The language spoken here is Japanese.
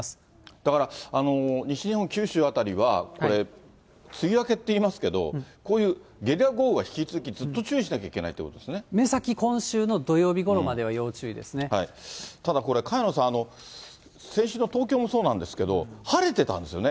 だから、西日本、九州辺りはこれ、梅雨明けっていいますけど、こういうゲリラ豪雨は引き続きずっと注意しなきゃいけないという目先、今週の土曜日ごろまでただこれ、萱野さん、先週の東京もそうなんですけど、晴れてたんですよね。